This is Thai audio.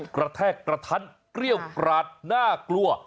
กระแทกกระทันเกรี้ยวกราดน่ากลัว